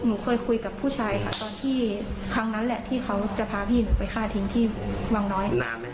หนูเคยคุยกับผู้ชายค่ะตอนที่ครั้งนั้นแหละที่เขาจะพาพี่หนูไปฆ่าทิ้งที่วังน้อย